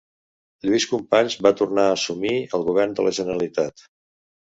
Lluís Companys va tornar a assumir el govern de la Generalitat.